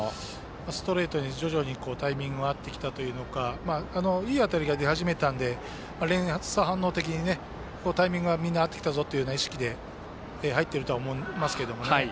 ストレートに、徐々にタイミングが合ってきたというかいい当たりが出始めたので連鎖反応的にタイミングがみんな合ってきたぞという意識で入っていると思いますけどもね。